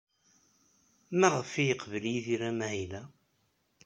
Maɣef ay yeqbel Yidir amahil-a?